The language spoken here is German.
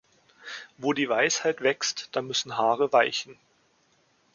Wo die Weisheit wächst, da müssen Haare weichen.